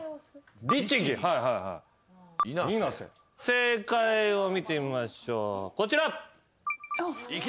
正解を見てみましょうこちら。